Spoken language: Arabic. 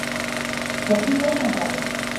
وَحِينَ يَرْهَبُ